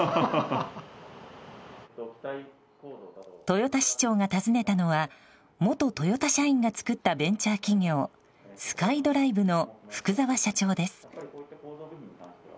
豊田市長が訪ねたのは元トヨタ社員が作ったベンチャー企業スカイドライブの福澤社長です。